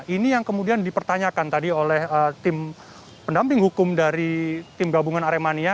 ini yang kemudian dipertanyakan tadi oleh tim pendamping hukum dari tim gabungan aremania